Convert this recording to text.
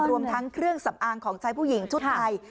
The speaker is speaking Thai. รวมทั้งเครื่องสำอางของชายผู้หญิงชุดไทย